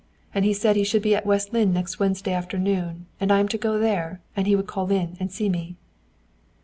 And he said he should be at West Lynne next Wednesday afternoon; and I am to go there, and he would call in and see me."